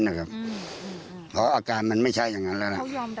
ง่ายในยังไง